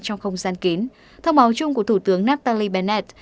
trong không gian kín thông báo chung của thủ tướng nathalie bennett